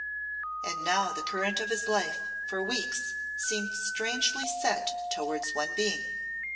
And now the current of his life for weeks seemed strangely set towards one being.